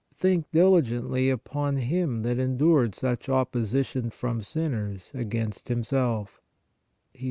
. Think diligently upon Him that endured such opposition from sinners against Himself" (Hebr.